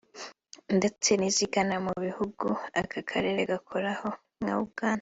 ndetse n’izigana mu bihugu aka karere gakoraho nka Uganda